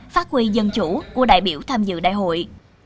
phát huy dân chủ của đại biểu tham dự đại hội